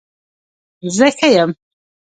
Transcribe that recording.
زه ښه يم